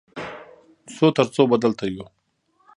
څو تر څو به دلته یو؟